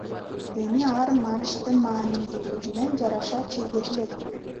Эми алар матчтын маанилүүлүгүнө жараша чегерилет